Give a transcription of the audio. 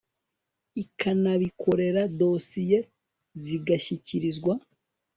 ikanabikorera dosiye zigashyikirizwa